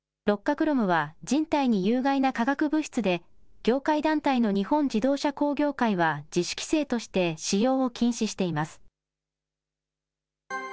クロムは人体に有害な化学物質で、業界団体の日本自動車工業会は、自主規制として使用を禁止しています。